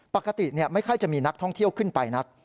ปกติไม่ค่อยจะมีนักท่องเที่ยวขึ้นไปนัก